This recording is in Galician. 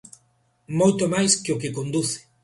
Moito máis que o que conduce.